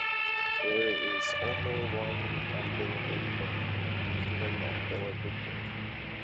There is only one umbilical vein in the human umbilical cord.